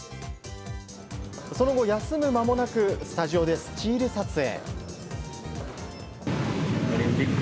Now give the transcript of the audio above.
その後、休む間もなくスタジオでスチール撮影。